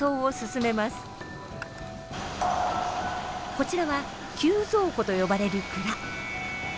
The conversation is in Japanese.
こちらは急造庫と呼ばれる蔵。